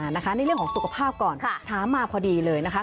ในเรื่องของสุขภาพก่อนถามมาพอดีเลยนะคะ